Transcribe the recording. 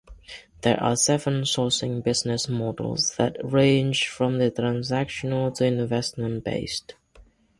There are seven sourcing business models that range from the transactional to investment-based.